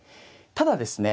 ただですね